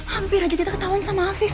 hampir aja kita ketahuan sama afif